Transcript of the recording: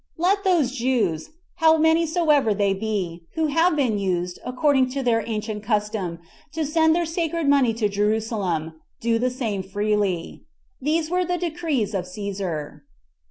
Let those Jews, how many soever they be, who have been used, according to their ancient custom, to send their sacred money to Jerusalem, do the same freely." These were the decrees of Cæsar.